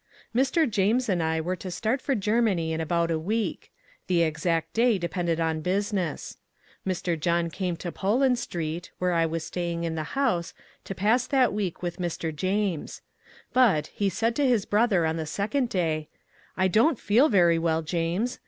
Mr. James and I were to start for Germany in about a week. The exact day depended on business. Mr. John came to Poland Street (where I was staying in the house), to pass that week with Mr. James. But, he said to his brother on the second day, 'I don't feel very well, James.